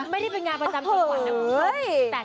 ไม่ได้เป็นงานประจำจังหวัดนะคุณผู้ชม